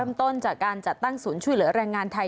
ต้นจากการจัดตั้งศูนย์ช่วยเหลือแรงงานไทย